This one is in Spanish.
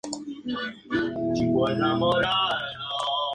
Ticketmaster y Live Nation emitieron un comunicado acerca de la incidencia.